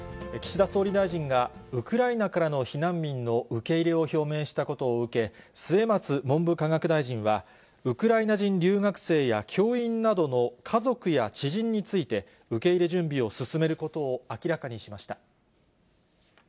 岸田総理大臣がウクライナからの避難民の受け入れを表明したことを受け、末松文部科学大臣は、ウクライナ人留学生や教員などの家族や知人について、受け入れ準備を進めることを明らかにしました。